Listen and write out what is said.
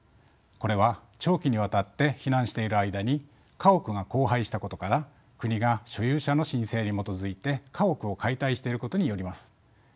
これは長期にわたって避難している間に家屋が荒廃したことから国が所有者の申請に基づいて家屋を解体していることによります。